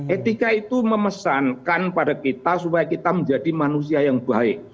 etika itu memesankan pada kita supaya kita menjadi manusia yang baik